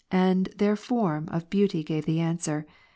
187 their form of beauty gave the answer^.